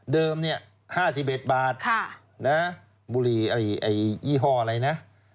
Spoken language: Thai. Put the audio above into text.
เดิม๕๐เบตบาทบุหรี่ยี่ห้ออะไรนะ